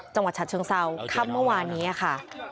จังหวัดฉะเชิงเซาค่ำเมื่อวานนี้ค่ะ